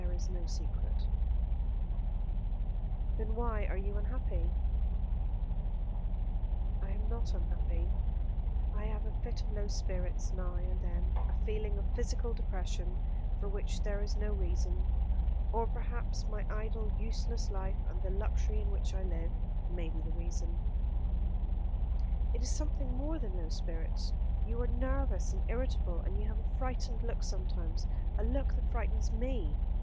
"There is no secret." "Then why are you unhappy?" "I am not unhappy. I have a fit of low spirits now and then, a feeling of physical depression, for which there is no reason; or perhaps my idle, useless life, and the luxury in which I live, may be the reason." "It is something more than low spirits. You are nervous and irritable and you have a frightened look sometimes, a look that frightens me.